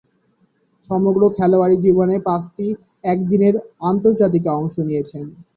সমগ্র খেলোয়াড়ী জীবনে পাঁচটি একদিনের আন্তর্জাতিকে অংশ নিয়েছেন।